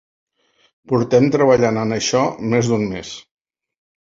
Portem treballant en això més d'un mes.